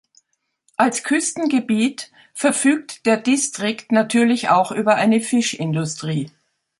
Als Küstengebiet verfügt der Distrikt natürlich auch über eine Fischindustrie.